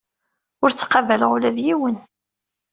Ur ttqabaleɣ ula d yiwen.